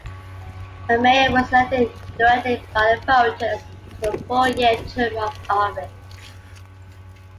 A Mayor was elected directly by the voters to a four-year term of office.